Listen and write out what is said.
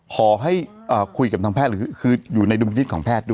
ขอให้คุยกับทางแพทย์คืออยู่ในดุลพินิษฐ์ของแพทย์ด้วย